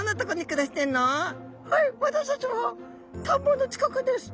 私たちは田んぼの近くです」。